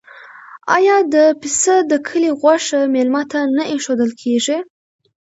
آیا د پسه د کلي غوښه میلمه ته نه ایښودل کیږي؟